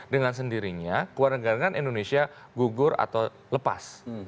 dengan sendirinya kewarganegaraan indonesia gugur atau lepas